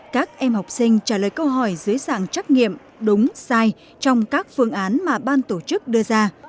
các em học sinh trả lời câu hỏi dưới dạng trắc nghiệm đúng sai trong các phương án mà ban tổ chức đưa ra